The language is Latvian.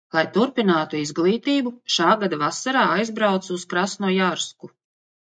Lai turpinātu izglītību, šā gada vasarā aizbraucu uz Krasnojarsku.